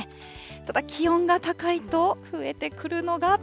ただ気温が高いと増えてくるのが。